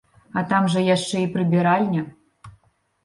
А там жа яшчэ і прыбіральня.